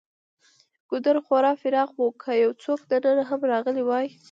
ګودر خورا پراخ و، که یو څوک دننه هم راغلی وای.